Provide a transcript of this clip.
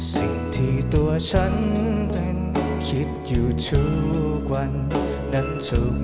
สิ่งที่ตัวฉันเป็นคิดอยู่ทุกวันนั้นสุข